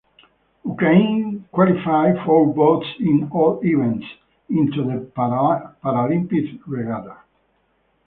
Ukraine qualified four boats in all events into the Paralympic regatta.